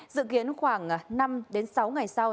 dự kiến khoảng năm sáu ngày sau